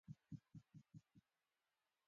احمد ټول تاو له علي څخه وکيښ.